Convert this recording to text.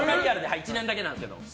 １年だけなんですけど。